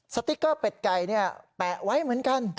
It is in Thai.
สติ๊กเกอร์เป็ดไก่แปะไว้เหมือนกัน